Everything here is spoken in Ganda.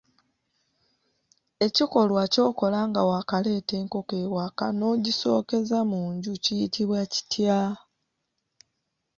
Ekikolwa ky'okola nga waakaleeta enkoko ewaka n'ogisookeza mu nju kiyitibwa kitya?